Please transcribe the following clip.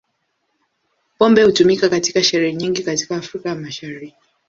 Pombe hutumika katika sherehe nyingi katika Afrika ya Mashariki.